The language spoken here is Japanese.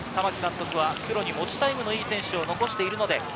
玉城監督は復路に持ちタイムのいい選手を残しているので、